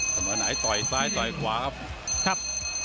เสมอไหนต่อยซ้ายต่อยขวาครับครับ